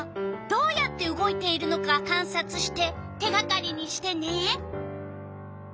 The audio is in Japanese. どうやって動いているのかかんさつして手がかりにしてね！